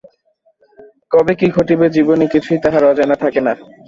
কবে কী ঘটিবে জীবনে কিছুই তাহার অজানা থাকে না।